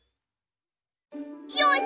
よし！